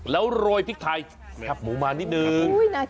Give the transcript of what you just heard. แล้วโรยพริกไทยแคบหมูมานิดนึง